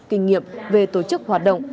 kinh nghiệm về tổ chức hoạt động